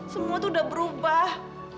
semua itu udah berubah